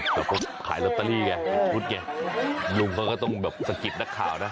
แบบขายล็อตเตอรี่ไงลุงเขาก็ต้องสกิดดักข่าวนะ